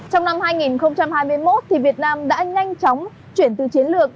trong năm hai nghìn hai mươi một việt nam đã nhanh chóng chuyển từ chiến lược